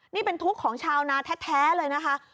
นี่เป็นทุกข์ของชาวนาแท้เลยนะคะ